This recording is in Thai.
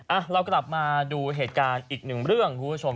เรากลับมาดูเหตุการณ์อีกหนึ่งเรื่องคุณผู้ชม